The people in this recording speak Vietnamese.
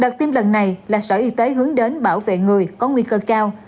đợt tiêm lần này là sở y tế hướng đến bảo vệ người có nguy cơ cao